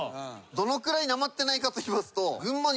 どのくらいなまってないかといいますと。